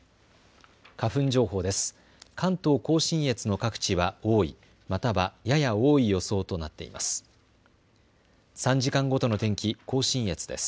花粉情報です。